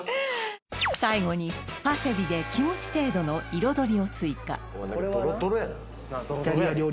最後にパセリで気持ち程度の彩りを追加